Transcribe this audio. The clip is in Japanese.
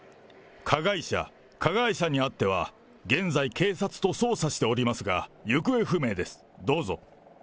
科学者、加害者にあっては現在、警察と捜査しておりますが、行方不明です。